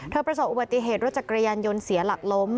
ประสบอุบัติเหตุรถจักรยานยนต์เสียหลักล้ม